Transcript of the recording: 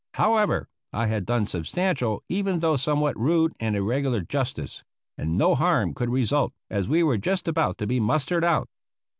However, I had done substantial, even though somewhat rude and irregular, justice and no harm could result, as we were just about to be mustered out.